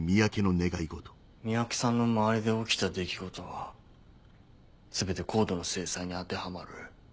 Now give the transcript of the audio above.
三宅さんの周りで起きた出来事は全てＣＯＤＥの制裁に当てはまる。